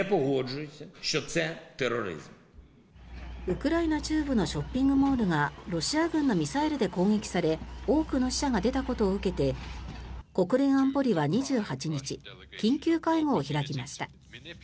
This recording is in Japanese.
ウクライナ中部のショッピングモールがロシア軍のミサイルで攻撃され多くの死者が出たことを受けて国連安保理は２８日緊急会合を開きました。